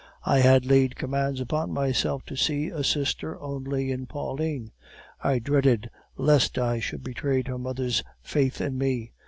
I had laid commands upon myself to see a sister only in Pauline. I dreaded lest I should betray her mother's faith in me.